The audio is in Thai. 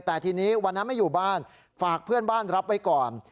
แต่ทีนี้วันนั้นไม่อยู่บ้านฝากเพื่อนบ้านรับไว้ก่อน